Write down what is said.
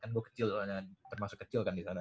kan gua kecil doang ya termasuk kecil kan di sana